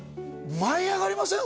舞い上がりません？